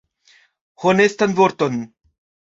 Honestan vorton.